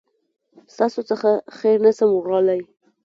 ستاسو څخه خير نسم وړلای